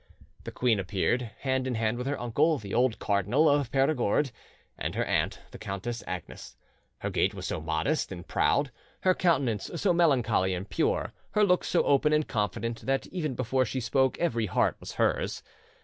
The queen appeared, hand in hand with her uncle, the old Cardinal of Perigord, and her aunt, the Countess Agnes. Her gait was so modest and proud, her countenance so melancholy and pure, her looks so open and confident, that even before she spoke every heart was hers.